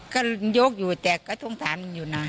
ก็โยกอยู่แต่ก็ทรงสารมันอยู่นะ